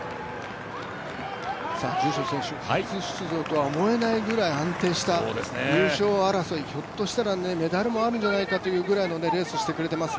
住所選手、初出場と思えないぐらい安定した優勝争いひょっとしたらメダルもあるんじゃないかというレースをしてくれています。